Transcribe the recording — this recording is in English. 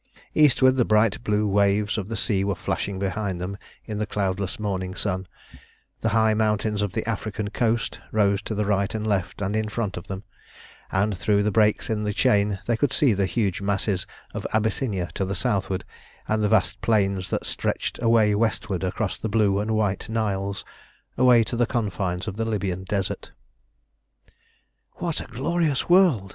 Eastward the bright blue waves of the sea were flashing behind them in the cloudless morning sun; the high mountains of the African coast rose to right and left and in front of them; and through the breaks in the chain they could see the huge masses of Abyssinia to the southward, and the vast plains that stretched away westward across the Blue and White Niles, away to the confines of the Libyan Desert. "What a glorious world!"